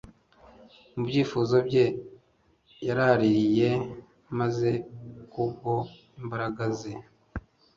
mu byifuzo bye. Yarariye, maze kubwo imbaraga ze